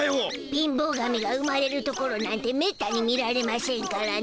貧乏神が生まれるところなんてめったに見られましぇんからね。